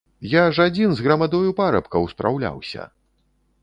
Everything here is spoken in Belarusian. Я ж адзін з грамадою парабкаў спраўляўся!